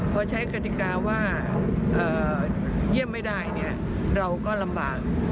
พอใช้กติกาว่าเยี่ยมไม่ได้เราก็ลำบาก